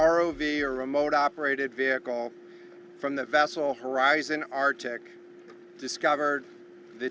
rov kemudian menemukan tebasan tambahan